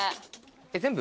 全部？